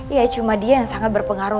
ya cuma dia yang sangat berpengaruh